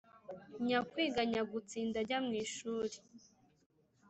nyakwiga nyagutsinda jya mwishuri,